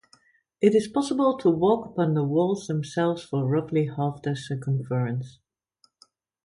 It is possible to walk upon the walls themselves for roughly half their circumference.